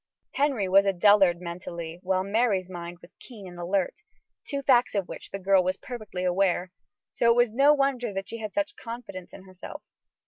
Henry was a dullard mentally, while Mary's mind was keen and alert two facts of which the girl was perfectly aware so it was no wonder she had such confidence in herself.